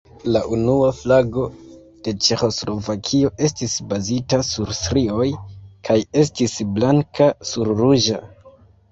La unua flago de Ĉeĥoslovakio estis bazita sur strioj, kaj estis blanka sur ruĝa.